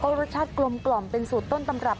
รสชาติกลมกล่อมเป็นสูตรต้นตำรับ